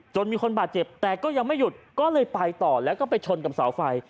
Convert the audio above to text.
มีคนบาดเจ็บแต่ก็ยังไม่หยุดก็เลยไปต่อแล้วก็ไปชนกับเสาไฟ